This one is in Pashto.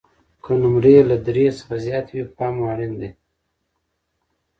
که نمرې له درې څخه زیاتې وي، پام مو اړین دی.